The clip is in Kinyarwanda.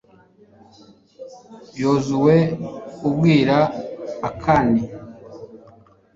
yozuwe abwira akani